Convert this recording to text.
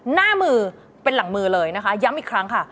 หน้ามือเป็นหลังมือเลยนะคะย้ำอีกครั้งค่ะ